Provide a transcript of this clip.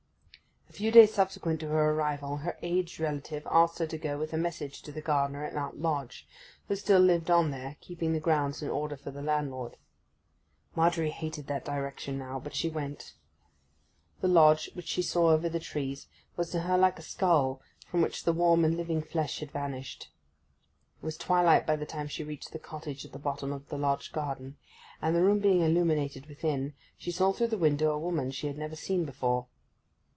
A few days subsequent to her arrival her aged relative asked her to go with a message to the gardener at Mount Lodge (who still lived on there, keeping the grounds in order for the landlord). Margery hated that direction now, but she went. The Lodge, which she saw over the trees, was to her like a skull from which the warm and living flesh had vanished. It was twilight by the time she reached the cottage at the bottom of the Lodge garden, and, the room being illuminated within, she saw through the window a woman she had never seen before.